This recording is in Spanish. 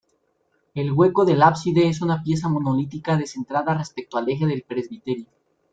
El hueco del ábside es una pieza monolítica descentrada respecto al eje del presbiterio.